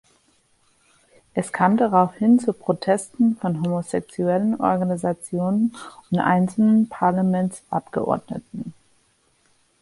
Es kam daraufhin zu Protesten von Homosexuellen-Organisationen und einzelnen Parlamentsabgeordneten.